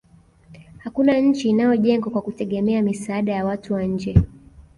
hakuna nchi inayojengwa kwa kutegemea misaada ya watu wa nje